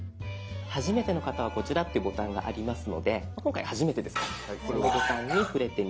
「はじめての方はこちら」っていうボタンがありますので今回はじめてですからそのボタンに触れてみて下さい。